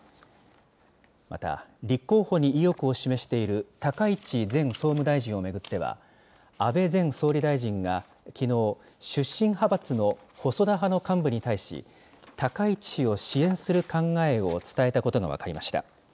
また、立候補に意欲を示している高市前総務大臣を巡っては、安倍前総理大臣がきのう、出身派閥の細田派の幹部に対し、高市氏を支援する考えを伝えたことが分かりました。